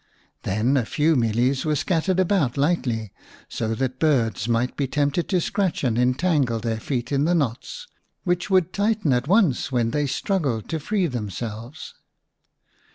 Then a few mealies were scattered about lightly, so that birds might be tempted to scratch and entangle their feet in the knots, which would tighten at once when they struggled to free themselves.